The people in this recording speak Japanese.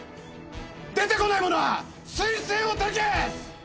出てこない者は推薦を取り消す！！